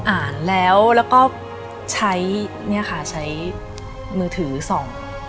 อ่านแล้วแล้วก็ใช้มือถือส่อง